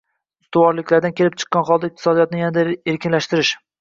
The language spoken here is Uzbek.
va ustuvorliklaridan kelib chiqqan holda iqtisodiyotni yanada erkinlashtirish